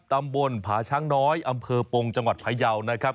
ตำบลผาช้างน้อยอำเภอปงจังหวัดพยาวนะครับ